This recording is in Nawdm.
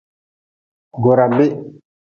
Goorabih.